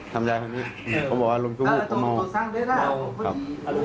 ทำได้แบบนี้เขาบอกว่าอารมณ์ชั่วโภคเขานอน